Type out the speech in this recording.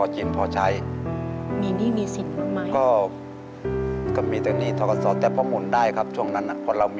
ก่อนหน้านั้นชีวิตของเราเป็นอย่างไรครับ